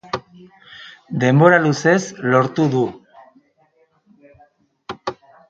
Denbora luzez lortu du.